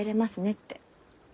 って。